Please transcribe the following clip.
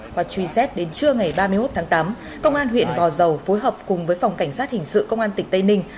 qua truy xét đến trưa ngày ba mươi một tháng tám công an huyện gò dầu phối hợp cùng với phòng cảnh sát hình sự công an tỉnh tây ninh